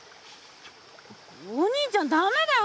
お兄ちゃんだめだよ。